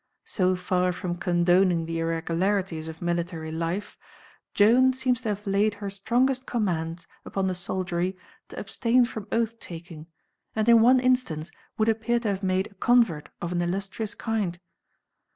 So far from condoning the irregularities of military life, Joan seems to have laid her strongest commands upon the soldiery to abstain from oath taking, and in one instance would appear to have made a convert of an illustrious kind.